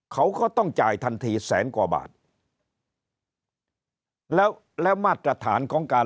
เขาก็ต้องจ่ายทันทีแสนกว่าบาทแล้วแล้วมาตรฐานของการ